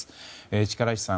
力石さん